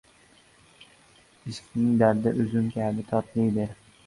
• Ishqning dardi uzum kabi totlidir.